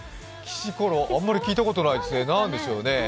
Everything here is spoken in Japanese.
あんまり聞いたことないですね、何でしょうね。